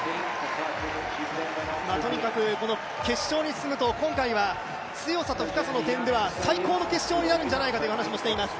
とにかく決勝に進むと今回は強さと深さの点では、最高の決勝になるんじゃないかという話をしています。